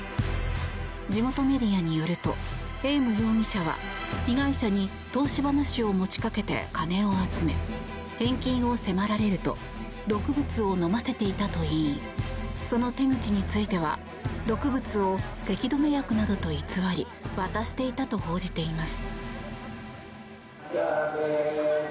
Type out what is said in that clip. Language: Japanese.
地元メディアによるとエーム容疑者は被害者に投資話を持ち掛けて金を集め返金を迫られると毒物を飲ませていたといいその手口については毒物をせき止め薬などと偽り渡していたと報じています。